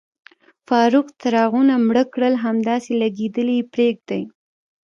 فاروق، څراغونه مړه کړه، همداسې لګېدلي یې پرېږدئ.